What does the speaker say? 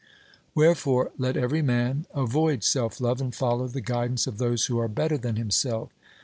Wherefore let every man avoid self love, and follow the guidance of those who are better than himself.